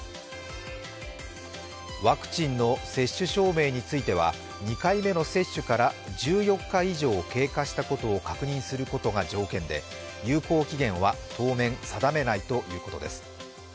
ワクチンの接種証明については２回目の接種から１４日以上経過したことを確認することが条件で有効期限は当面、定めないということです。